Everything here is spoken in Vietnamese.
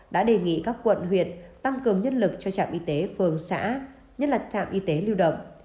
đã đề nghị các quận huyện tăng cường nhân lực cho trạm y tế phường xã nhất là trạm y tế lưu động